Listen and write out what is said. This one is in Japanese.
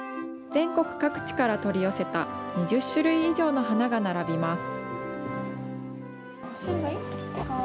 全国各地から取り寄せた２０種類以上の花が並びます。